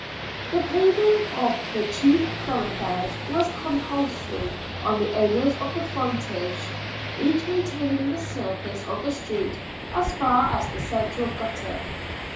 The paving of the chief thoroughfares was com pulsory on the owners of the frontages, each maintaining the surface of the street as far as the central gutter.